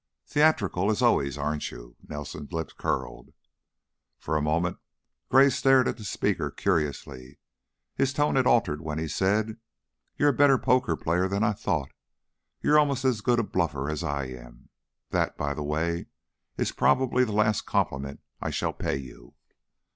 "Theatrical, as always, aren't you?" Nelson's lip curled. For a moment Gray stared at the speaker curiously; his tone had altered when he said: "You're a better poker player than I thought. You're almost as good a bluffer as I am. That, by the way, is probably the last compliment I shall pay you."